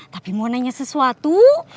tapi mau nanya sesuatu